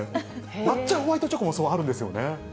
抹茶ホワイトチョコもそう、あるんですよね。